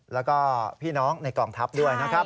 แล้วก็พี่น้องในกองทัพด้วยนะครับ